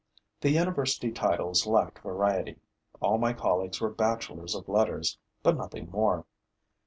The university titles lacked variety. All my colleagues were bachelors of letters, but nothing more.